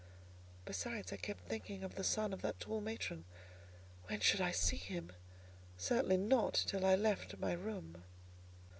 Besides, I kept thinking of the son of that tall matron: when should I see him? Certainly not till I left my room.